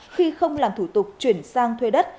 khi không làm thủ tục chuyển sang thuê đất